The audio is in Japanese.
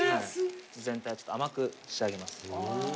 全体に甘く仕上げます